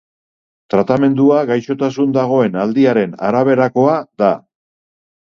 Tratamendua gaixotasun dagoen aldiaren araberakoa da.